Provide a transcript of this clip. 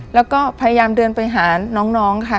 แล้วก็พยายามเดินไปหาน้องค่ะ